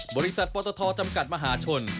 บริษัทปตทจำกัดมหาชน